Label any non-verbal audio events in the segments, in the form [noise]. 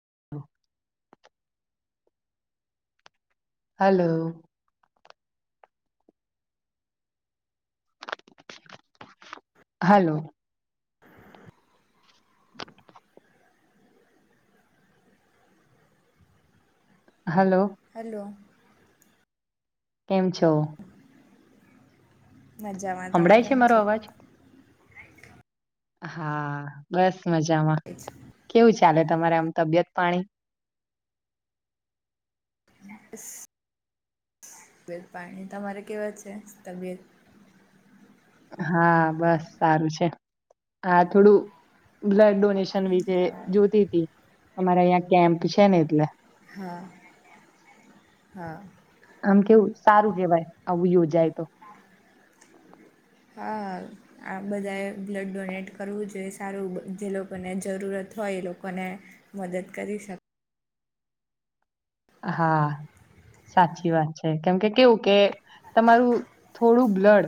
[inaudible] Hello. Hello. Hello hello. કેમ છો. મજામાં તમે હમળાય છે કેમ મારો છો. અવાજ હા બસ મજામાં એ જ. કેવું છે. ચાલે તમારે આમ તબિયત પાણી બસ. તબિત પાણી તમારે કેવા છે તબિયત. હા બસ સારું છે હા થોડું બ્લડ. હા જોતી તી અમારા અં કેમ્પ છે ને એટલે. હા હા આમ કેવું સારું કેહેવાય આવું યોજાય તો. આ બધાએ બ્લડ ડોનેટ કરવું જોઈએ સારું જે લોકોને જરૂરત હોય એ લોકો લોકોને મદદ કરી શક હા સાચી વાત છે કેમ કે કેવું કે તમારું થોડું બ્લડ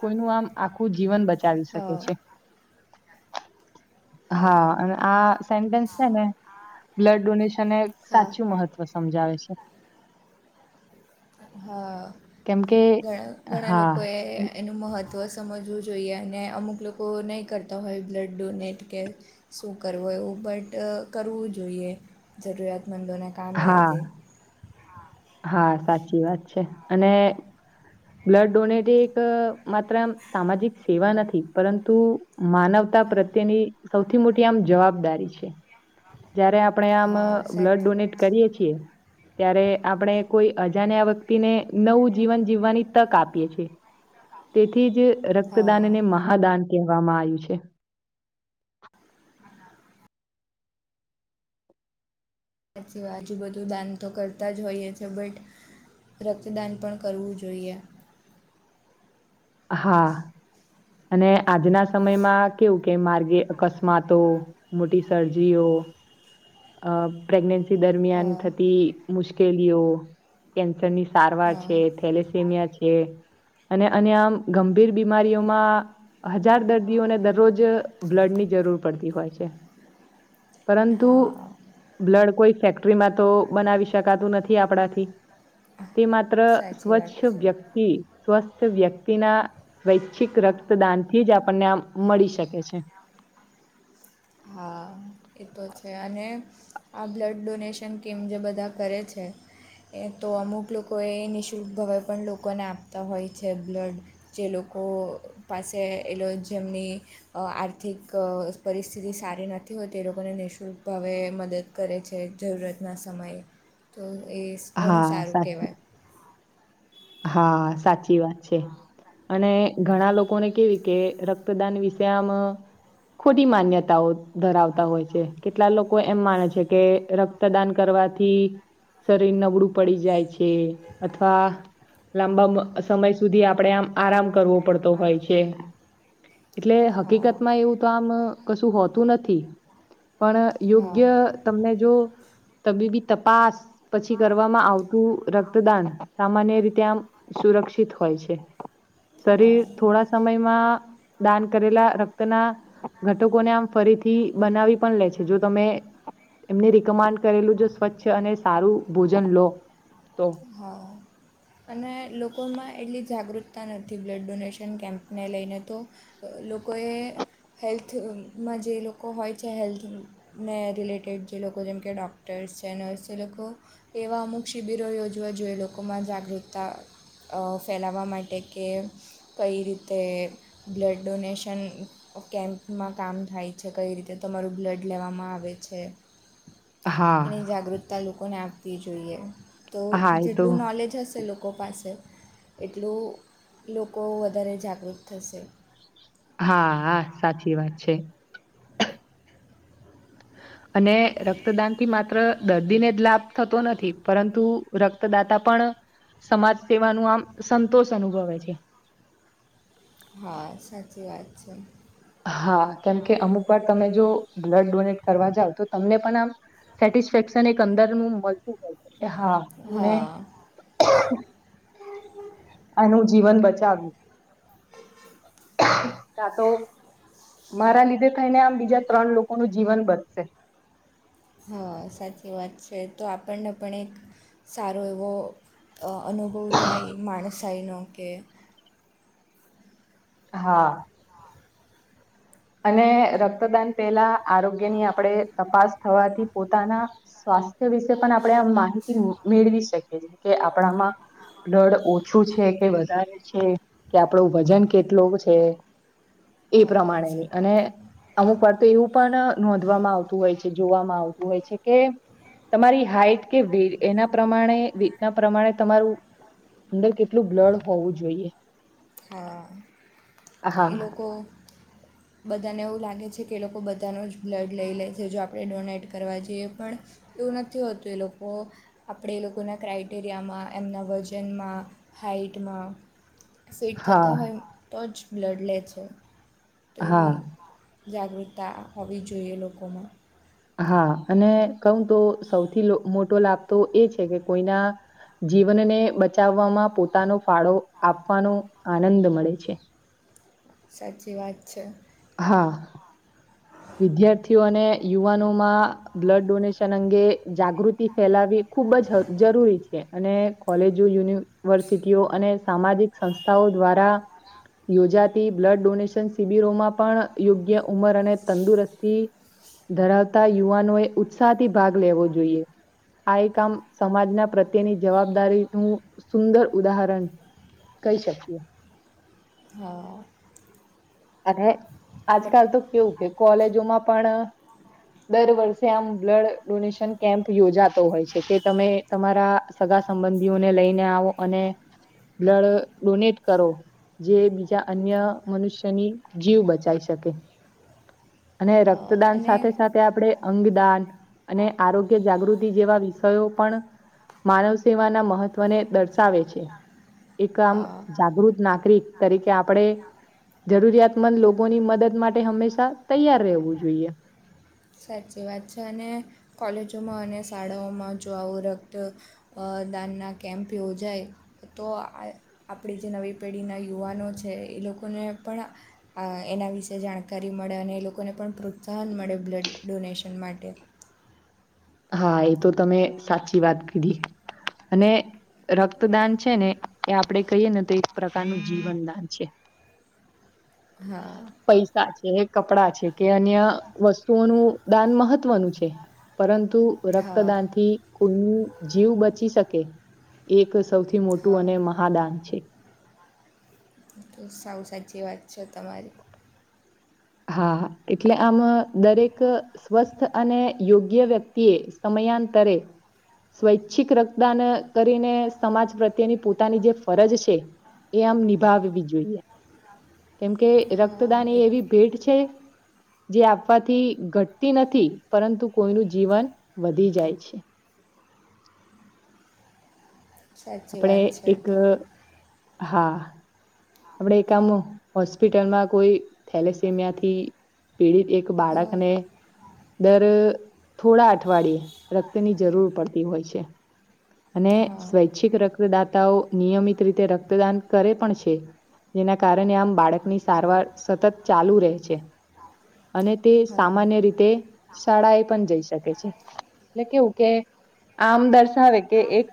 કોઈનું આમ આખું જીવન બચાવી શકે હા છે. હા અને આ સેન્ટેન્સ છે ને બ્લડ ડોનેશન એ હા સાચું મહત્વ. સમજાવે છે હા કેમ કે. ઘણા ઘણા હા લોકો એ એનું મહત્વ. સમજવું જોઈએ અને અમુક લોકો નહીં કરતા હોય બ્લડ ડોનેટ કે શું કરવું એવું. બટ કરવું જોઈએ જરૂરિયાતમંદોને કામ હા લાગે. હા સાચી વાત છે અને બ્લડ ડોનેટ એક માત્ર સામાજિક સેવા નથી પરંતુ માનવ પ્રત્યેની સૌથી મોટી આમ જવાબદારી છે જ્યારે. આપણે આમ હા બ્લડ સાચી ડોનેટ વાત કરીએ છીએ ત્યારે આપણે કોઈ અજાને આ વ્યક્તિને નવું જીવન જીવવાની તક આપીએ છી. તેથી જ હા રક્તદાનને મહાદાન કહેવામાં આવ્યું છે. સા સીવા આજુબધુ દાન તો કરતા જ હોઈએ છેએ બટ રક્તદાન પણ કરવું જોઈએ. [inaudible] હા અને આજના સમયમાં કેવું કે માર્ગે અકસ્માતો મોટી સરજીઓ. [inaudible] અ પ્રેગ્નેન્સી દરમિયાન હા થતી મુશ્કેલીઓ કેન્સરની સારવાર હા છે થેલેસેમિયા છે. અને અ આમ ગંભીર બીમારીઓમાં હજાર દર્દીઓને દરરોજ બ્લડ ની જરૂર પડતી હોય છે. પરંતુ હા બ્લડ કોઈ ફેક્ટરીમાં તો બનાવી શ શકાતું નથી આપણાથી તે માત્ર સાચી વાત સ્વચ્છ છે વ્યક્તિ સ્વ સવસત વ્યક્તિના સ્વૈચ્છિક રક્તદાન થી જ આપણને આમ મળી શકે છે [unintelligible] હા. એ તો છે અને આ બ્લડ ડોનેશન કેમ જે બધા કરે છે. એ તો અમુક લોકો એ નિઃશુલ્ક ભવાઈ પણ લોકોને આપતા હોય છે બ્લડ જે લોકો લોકો પાસે એ જેમની આર્થિક પરિસ્ સથિતધિ સારી નથી હોય તે એ લોકોને નિઃશુલ્ક ભાવે મદદ કરે છે જરૂરતના સમયે. તો એ ઘણું હા સારું સાચી કહેવાય હા સાચી વાત છે. અને ઘણા લોકોને કેવી કે રક્તદાન વિશે આમ ખોટી માન્યતાઓ ધરાવતા હોય છે કેટલા લોકો એમ માને છે કે રક્તદાન કરવા થી શરીર નબળું પડી જાય છે અથવા લાંબા સમય સુધી આપણેે આમ આરામ કરવો પડતો હોય છે. એટલે હકીકત હા માં એવું તો આમ કશું હોતું નથી. પણ હા યોગ્ય તમને જો તબીબી તપાસ પછી કરવામાં આવતું રક્તદાન સામાન્ય રીતે ત્યાં સુરક્ષિત હોય છે. શરીર હા થોડા સમયમાં દાન કરેલા રક્તના ઘટકોને આમ ફરી થી બનાવી પણ લે છે જો તમે એમને રિકમાન્ડ કરેલું જો સ્વચ્છ અને સારું ભોજન લો તો હા. અને લોકોમાં એટલી જાગૃતતા નથી બ્લડ ડોનેશન કેમ્પને લઈને તો. લોકોએ હેલ્થમાં જે લોકો હોય છે, હેલ્થને રિલેટેડ જે લોકો જેમ કે ડૉક્ટર્સ સ છે નર્સ લોકો એવા અમુક શિબિરો યોજવા જોઈએ લોકોમાં જાગૃતતા ફેલાવવા માટે કે કઈ રીતે બ્લડ ડોનેશન કેમ્પમાં કામ થાય છે, કઈ રીતે તમારું બ્લડ લેવામાં આવે છે. હા એની જાગૃતતા લોકોને આપવી જોઈએ, તો હા એ તો જેટલું નોલેજ હશે લોકો લોકો પાસે એટલું લોકો વધારે જાગૃત થશે. હા હા સાચી વાત છે. હ. અને રક્તદાન થી માત્ર દર્દીને જ લાભ થતો નથી, પરંતુ રક્તદાતા પણ સમાજ સેવા નું આમ સંતોષ અનુભવે છે. હા સાચી વાત છે. હા કેમ કે અમુક વાર તમે જો બ્લડ ડોનેટ કરવા જાવ તો તમને પણ આમ સેટિસ્ફેક્શન એક અંદરનું હા મે હા આનું જીવન બચાવ્યું કા તો મારા લીધે થઈને આમ બીજા ત્રણ લોકો નું જીવન બચશે. હા સાચી વાત છે તો આપણને પણ એક સારો એવો અનુભવ થાય માણસાઈનો કે હા. અને રક્તદાન પેલા આરોગ્યની આપણેે તપાસ થવાથી પોતાના સ્વા સ્થ્ય વિશે પણ આપણે આ માહિતી મેળવી શકીએ, જે કે આપણામાં દળ ઓછું છે કે વધારે છે, કે આપણો વજન કેટલો છે. એ હા પ્રમાણે સા અમુક વાર એવું પણ નોંધવામાં આવતું હોય છે, જોવામાં આવતું હોય છે કે તમારી હાઈટ કે વેટ એના પ્રમાણે વેટના પ્રમાણે તમારું અંદર કેટલું બ્લડ હોવું જોઈએ. હા હા એ લોકો બધાને એવું લાગે છે કે એ લોકો બધાનો જ બ્લડ લઈ લે છે, જો આપણે ડોનેટ કરવા જઈએ પણ એવું નથી હોતું એ લોકો આપણે એ લોકોના ક્રાઈટેરિયામાં, એમના વજનમાં હે હાઈટમાં [inaudible] ફિટ હા થતા હોય તો જ બ્લડ લે છે, તો હા એવી જાગૃતતા હોવી જોઈએ લોકોમાં. હા, અને કઉ તો સૌથી મોટો લાભ તો એ છે કે કોઈના જીવનને બચાવવામાં પોતાનો ફાળો આપવાનો આનંદ મળે છે. સાચી વાત છે. હા. વિદ્યાર્થીઓ અને યુવાનોમાં બ્લડ ડોનેશન અંગે જાગૃતિ ફેલાવી ખૂબ જ જરૂરી છે. અને કોલેજો, યુનિવર્સિટીઓ અને સામાજિક સંસ્થાઓ દ્વારા યોજાતી બ્લડ ડોનેશન શિબિરોમાં પણ યોગ્ય ઉંમર અને તંદુરસ્તી ધરાવતા યુવાનોએ ઉત્સાહથી ભાગ લેવો જોઈએ. આ [unintelligible] સમાજના પ્રત્યેની જવાબદારીનું સુંદર ઉદાહરણ કઈ શકીએ. હા. અને આજકાલ બટ તો કેવું કે કોલેજોમાં પણ દર વર્ષે આમ બ્લડ ડોનેશન કેમ્પ યોજાતો હોય છે કે તમે તમારા સ સંબંધીઓને લઈને આવો અને બ્લડ ડોનેટ કરો. જે બીજા અન્ય મનુષ્યની જીવ બચાવી શકે. અને રક્તદાન અને સાથે સાથે આપડે અંગદાન અને આરોગ્ય જાગૃતિ જેવા વિષયો પણ માનવ સેવાના મહત્વને દર્શાવે છે. એક આમ હા જાગૃત નાગરિક તરીકે આપણે જરૂરિયાતમંદ લોકોની મદદ માટે હંમેશા તૈયાર રહેવું જોઈએ. સાચી વાત છે. અને કોલેજોમાં અને શાળાઓમાં જો આવું રક્ત મતદાનના કેમ્પ યોજાય તો આપણી જે નવી પેઢીના યુવાનો છે એ લોકોને પણ ના વિશે જાણકારી મળે અને એ લોકોને પણ પ્રોત્સાહન મળે બ્લડ ડોનેશન માટે. હા એ તો તમે સાચી વાત કીધી. અને રક્તદાન છે ને એ આપણેે કહીએ ને તો એક પ્રકારનું જીવનદાન છે. [inaudible] હા. પૈસા છે, કપડા છે, કે અન્ય વસ્તુઓનું દાન મહત્વનું છે. પરંતુ હા રક્તદાનથી નું જીવ બચી શકે. એક સૌથી મોટું હા અને મહાદાન છે. તો સાવું સાચી વાત છે તમારી. હા હા એટલે આમ દરેક સ્વસ્થ અને યોગ્ય વ્યક્તિ એ સમય તારે સ્વૈચ્છિક રક્તદાન કરીને સમાજ પ્રત્યેની પોતાની જે ફરજ છે એ આમ નિભાવવી જોઈએ. કેમકે રક્તદાન એ એવી ભેટ છે જે આપવાથી ઘટતી નથી પરંતુ કોઈનું જીવન વધી જાય છે. [inaudible] સાચી આપણે વાત છે એ એક તો હા. આપણે એક હોસ્પિટલમાં કોઈ થેલેસેમિયા થી પીડિત એક એક હા બાળકને દર થોડા અઠવાડિયે રક્તની જરૂર પડતી હોય છે. અને હા સ્વૈચ્છિક રક્તદાતાઓ નિયમિત રીતે રક્તદાન કરે પણ છે જેના કારણે આમ બાળકની સારવાર સતત ચાલુ રહે છે અને તે હા સામાન્ય રીતે શાળા એ પણ જઈ શકે છે એટલે કેવું કે આમ દર્શાવે કે એક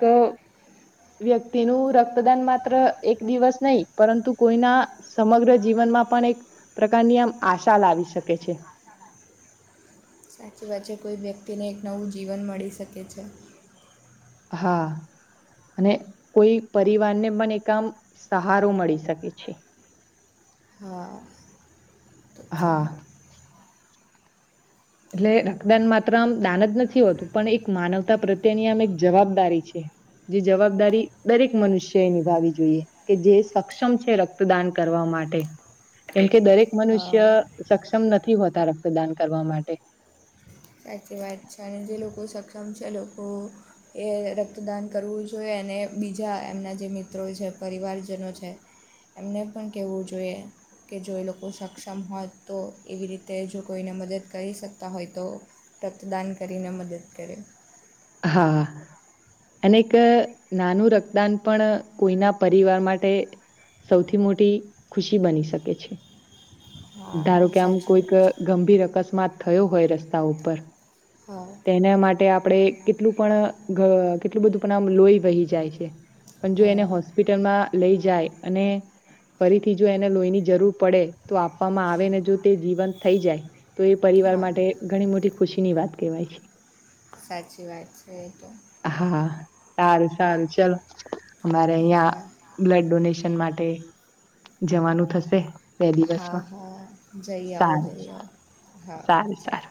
વ્યક્તિનું રક્તદાન માત્ર એક દિવસ નહી પરંતુ કોઈના સમગ્ર જીવન પણ એક પ્રકારની આમ આશા લાવી શકે છે સાચી વાત છે કોઈ વ્યક્તિને એક નવું જીવન મળી શકે છે હા અને કોઈ પરિવારને પણ એક આમ સહારો મળી શકે છે હા તો છે હા એટલે રક્તદાન માત્ર આમ દાન જ નથી હોતું પણ એક માનવતા પ્રત્યેની આમ એક જવાબદારી છે જે જવાબદારી દરેક મનુષ્ય એ નિભાવી જોઈએ કે જે સક્ષમ છે રક્તદાન કરવામાં માટે કેમકે દરેક મનુષ્ય હા સક્ષમ નથી હોતા રક્તદાન કરવા માટે સાચી વાત છે અને જે લોકો સક્ષમ છે એ લોકો એ રક્તદાન કરવું જોઈએ અને બીજા એમના જે મિત્રો છે પરિવારજનો છે એમને પણ કેહેવું જોઈએ કે જો એ લોકો સક્ષમ હોત તો એવી રીતે જો કોઈને મદદ કરી શકતા હોય તો રક્તદાન કરીને મદદ કરે હા અને એક નાનું રક્તદાન પણ કોઈના પરિવાર માટે સૌથી મોટી ખુશી બની શકે છે ધારો હા કે આમ સાચી વાત છે કોઈક ગંભીર અકસ્માત થયો હોય રસ્તા ઉપર હા તેના માટે આપડે કેટલું પણ કેટલું બધું પણમ લોહી વહી જાય છે પણ જો એને હા હોસ્પિટલમાં. લઈ જાય અને. ફરીથી જો એને લોહીની જરૂર પડે તો આપવામાં આવે ને જો તે જીવંત થઈ જાય. તો એ પરિવાર હા માટે ઘણી મોટી ખુશી ની વાત કહેવાય છે. સાચી વાત છે એ તો. હા સારું સારું ચાલ હરે યા હા બ્લડ ડોનેશન. માટે જવાનું થશે. બે હા દિવસમાં હા જઈ આવ સારું જઈ આવો હા સારું સારું ચાલો.